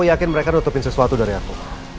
aku yakin mereka nutupin sesuatu dari aku